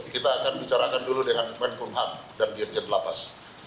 kita akan bicarakan dulu dengan kemenkumham dan dirjen lapas